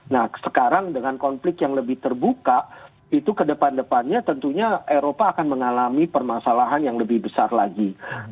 nah sekarang dengan konflik yang lebih terbuka itu kedepan depannya tentunya eropa akan mengalami krisis energi